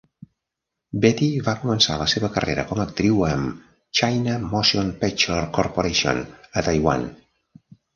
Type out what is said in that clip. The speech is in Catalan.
Betty va començar la seva carrera com a actriu amb "China Motion Picture Corporation" a Taiwan.